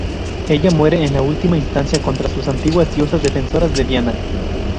Ella muere en última instancia contra sus antiguas diosas defensoras de Diana.